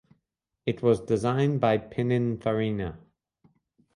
It was designed by Pininfarina.